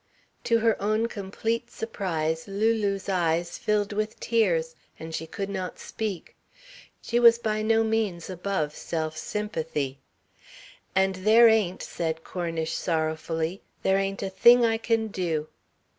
To her own complete surprise Lulu's eyes filled with tears, and she could not speak. She was by no means above self sympathy. "And there ain't," said Cornish sorrowfully, "there ain't a thing I can do."